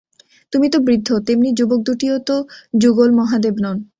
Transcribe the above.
তুমি তো বৃদ্ধ, তেমনি যুবক দুটিও তো যুগল মহাদেব নন!